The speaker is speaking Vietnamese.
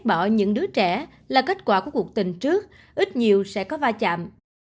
bỏ những đứa trẻ là kết quả của cuộc tình trước ít nhiều sẽ có va chạm